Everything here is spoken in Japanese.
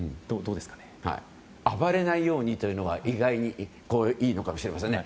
暴れないようにというのが意外にいいのかもしれませんね。